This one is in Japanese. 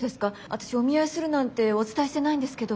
私お見合いするなんてお伝えしてないんですけど。